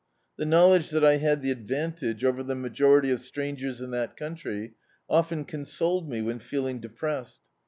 The knowledge that I had the advantage over the majority of strangers in that country, often con soled me when feeling depressed.